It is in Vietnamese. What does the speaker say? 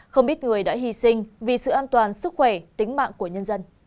không ít người đã hy sinh vì sự an toàn sức khỏe tính mạng của nhân dân